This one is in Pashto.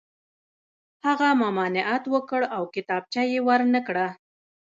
هغه ممانعت وکړ او کتابچه یې ور نه کړه